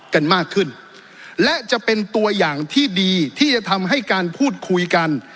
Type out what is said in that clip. กันมากขึ้นและจะเป็นตัวอย่างที่ดีที่จะทำให้การพูดคุยกัน